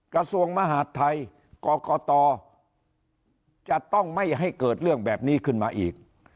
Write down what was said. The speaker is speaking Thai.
กระทรวงมหาดไทยกรกตจะต้องไม่ให้เกิดเรื่องแบบนี้ขึ้นมาอีก